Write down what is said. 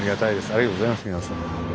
ありがとうございます皆さん。